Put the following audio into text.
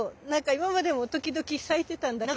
今までも時々咲いてたんだけど。